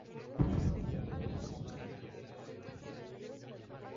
Políticamente fue monárquico.